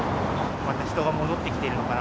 また人が戻ってきてるのかな。